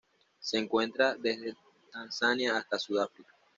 Se encuentra desde Tanzania hasta Sudáfrica.